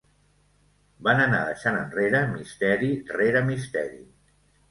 Van anar deixant enrere misteri rere misteri.